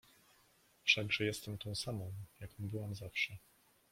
Wszakże jestem tą samą, jaką byłam zawsze.